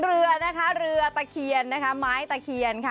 เป็นเรือเลยม้ายทะเวียน